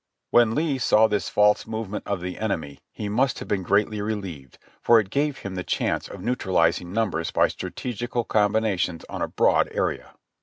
When Lee saw this false movement of the enemy he must have been greatly relieved, for it gave him the chance of neutralizing numbers by strategical combinations on a broad area.